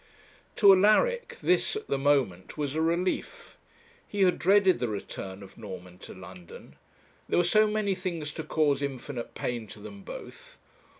To Alaric this, at the moment, was a relief. He had dreaded the return of Norman to London. There were so many things to cause infinite pain to them both.